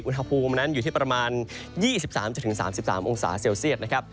อุณหภูมินั้นอยู่ที่ประมาณ๒๓๓องศาเซลเซียตนะครับ